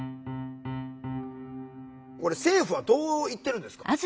これ政府はどう言ってるんですか？